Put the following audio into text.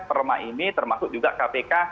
perma ini termasuk juga kpk